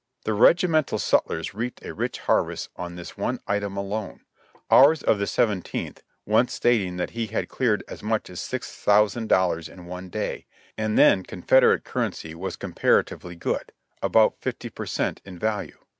The regimental sutlers reaped a rich harvest on this one item alone, ours of the Seventeenth once stating that he had cleared as much as six thousand dollars in one day; and then Confederate currency was comparatively good — about fifty per cent, in value.